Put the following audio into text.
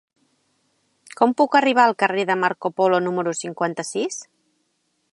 Com puc arribar al carrer de Marco Polo número cinquanta-sis?